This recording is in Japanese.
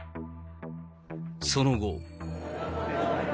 その後。